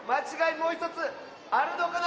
もうひとつあるのかな？